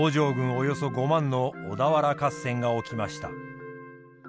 およそ５万の小田原合戦が起きました。